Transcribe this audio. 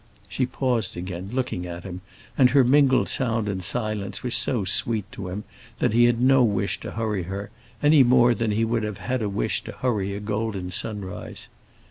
She paused again, looking at him, and her mingled sound and silence were so sweet to him that he had no wish to hurry her, any more than he would have had a wish to hurry a golden sunrise.